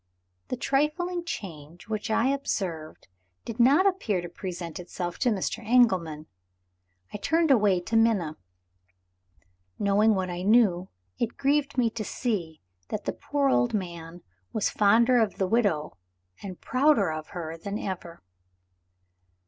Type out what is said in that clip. The trifling change which I observed did not appear to present itself to Mr. Engelman. I turned away to Minna. Knowing what I knew, it grieved me to see that the poor old man was fonder of the widow, and prouder of her than ever.